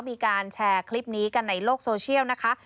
มีการแชร์คลิปนี้กันในโลกโซเชียลนะคะ